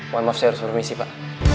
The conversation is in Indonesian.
mohon maaf saya harus permisi pak